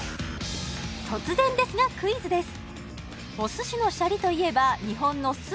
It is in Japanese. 突然ですがクイズです